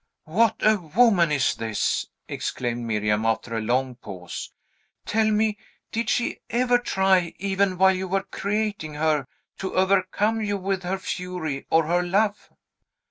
"What a woman is this!" exclaimed Miriam, after a long pause. "Tell me, did she ever try, even while you were creating her, to overcome you with her fury or her love?